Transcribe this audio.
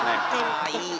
あいい！